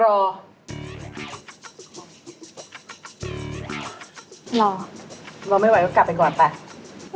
รอไม่ไหวก็กลับไปก่อนไป